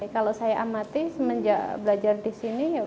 kalau saya amati semenjak belajar di sini